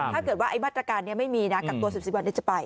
ถ้าเกิดว่ามัตรการไม่มีกักตัว๑๔วันจะไป